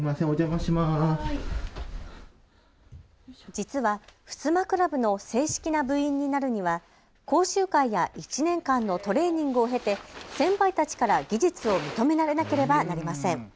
実は襖クラブの正式な部員になるには講習会や１年間のトレーニングを経て先輩たちから技術を認められなければなりません。